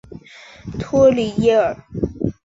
托里耶尔。